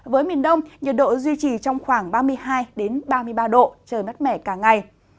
với miền đông nhiệt độ duy trì trong khoảng ba mươi hai ba mươi ba độ trời mát mẻ cả ngày